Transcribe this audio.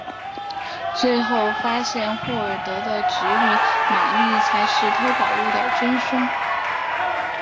最后发现霍尔德的侄女玛丽才是偷宝物的真凶。